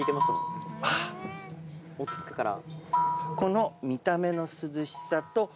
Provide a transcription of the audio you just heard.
落ち着くから。